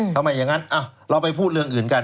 อย่างนั้นเราไปพูดเรื่องอื่นกัน